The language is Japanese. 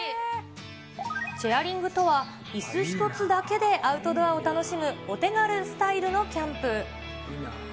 チェアリングとは、いす１つだけでアウトドアを楽しむお手軽スタイルのキャンプ。